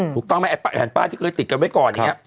ถูกต้องไหมไอ้แผ่นป้ายที่เคยติดกันไว้ก่อนอย่างนี้